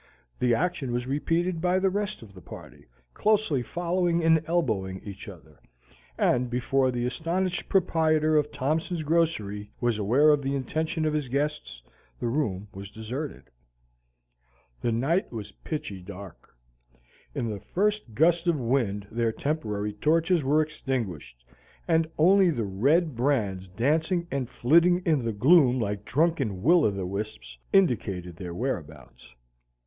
The action was repeated by the rest of the party, closely following and elbowing each other, and before the astonished proprietor of Thompson's grocery was aware of the intention of his guests, the room was deserted. The night was pitchy dark. In the first gust of wind their temporary torches were extinguished, and only the red brands dancing and flitting in the gloom like drunken will o' the wisps indicated their whereabouts.